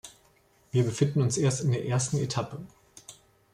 Wir befinden uns erst in der ersten Etappe.